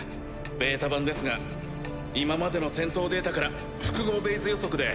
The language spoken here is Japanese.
ベータ版ですが今までの戦闘データから複合ベース予測で。